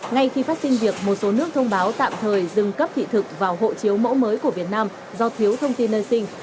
ngay khi phát sinh việc một số nước thông báo tạm thời dừng cấp thị thực vào hộ chiếu mẫu mới của việt nam do thiếu thông tin nơi sinh